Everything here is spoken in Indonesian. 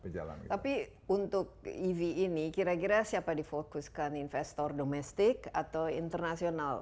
tapi untuk ev ini kira kira siapa difokuskan investor domestik atau internasional